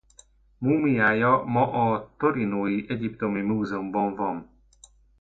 Múmiája ma a torinói Egyiptomi Múzeumban van.